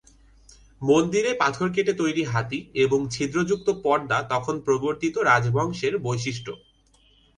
মন্দিরে পাথর কেটে তৈরি হাতি এবং ছিদ্রযুক্ত পর্দা তখন প্রবর্তিত রাজবংশের বৈশিষ্ট্য।